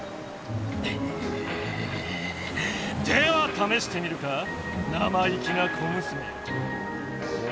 ではためしてみるか生意気な小娘よ。